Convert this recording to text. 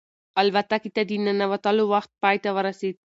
الوتکې ته د ننوتلو وخت پای ته ورسېد.